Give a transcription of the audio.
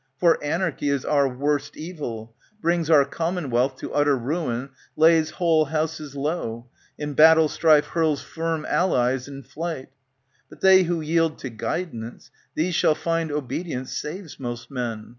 For anarchy Is our worst evil, brings our commonwealth To utter ruin, lays whole houses low. In battle strife hurls firm allies in flight ; But they who yield to guidance, — these shall find Obedience saves most men.